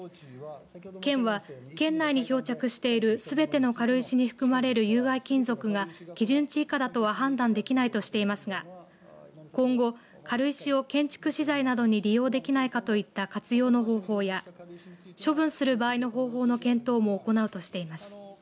県は、県内に漂着しているすべての軽石に含まれる有害金属が基準値以下だとは判断できないとしていますが今後、軽石を建築資材などに利用できないかといった活用の方法や処分する場合の方法の検討も行うとしています。